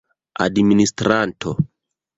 administranto